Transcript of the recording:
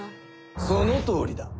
そのとおりだ！